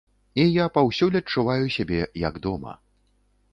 І я паўсюль адчуваю сябе, як дома.